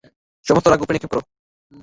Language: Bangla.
সমস্ত রাগ উপরে নিক্ষেপ কর।